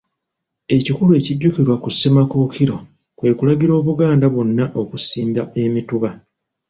Ekikulu ekijjukirwa ku Ssemakookiro, kwe kulagira Obuganda bwonna okusimba emituba.